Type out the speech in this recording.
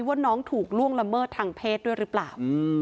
ว่าน้องถูกล่วงละเมิดทางเพศด้วยหรือเปล่า